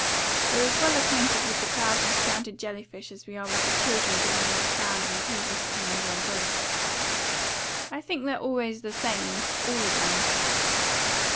We're as well acquainted with the crabs and stranded jelly fish as we are with the children digging in the sand and the people sitting under umbrellas. I think they're always the same, all of them."